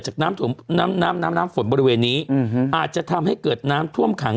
น้ำน้ำน้ำน้ำน้ำฝนบริเวณนี้อาจจะทำให้เกิดน้ำท่วมขัง